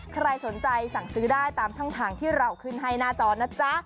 ใครสนใจสั่งซื้อได้ตามช่องทางที่เราขึ้นให้หน้าจอนะจ๊ะ